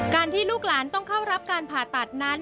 ที่ลูกหลานต้องเข้ารับการผ่าตัดนั้น